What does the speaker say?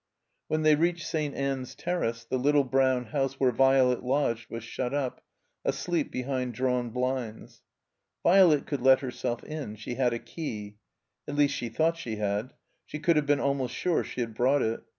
When they reached St. Ann's Terrace the little brown house where Violet lodged was shut up, asleep behind drawn blinds. Violet could let herself in. She had a key. At least, she thought she had. She could have been almost sure she had brought it.